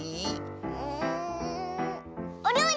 うんおりょうり！